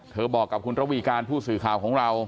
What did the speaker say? บอกกับคุณระวีการผู้สื่อข่าวของเรา